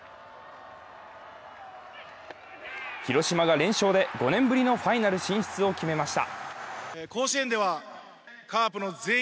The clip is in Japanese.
広島が連勝で、５年ぶりのファイナル進出を決めました。